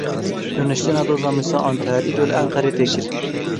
Rûniştina doza Mûsa Anter îro li Enqereê tê kirin.